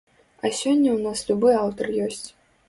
А сёння ў нас любы аўтар ёсць.